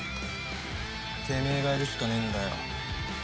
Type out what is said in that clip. てめえがやるしかねえんだよ。